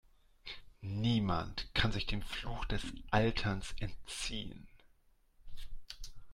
Niemand kann sich dem Fluch des Alterns entziehen.